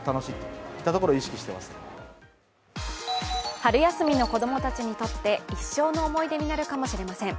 春休みの子供たちにとって一生の思い出になるかもしれません。